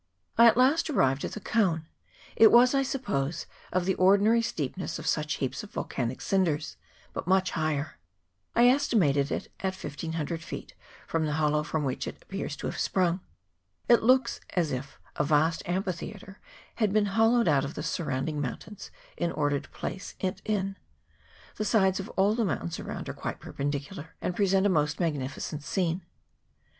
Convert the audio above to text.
I at last arrived at the cone : it was, I suppose, of the ordinary steepness of such heaps of volcanic cinders, but much higher. I es timate it at 1500 feet from the hollow from which it appears to have sprung. It looks as if a vast amphitheatre had been hollowed out of the sur rounding mountains in order to place it in. The sides of all the mountains around are quite perpen dicular, and present a most magnificent scene.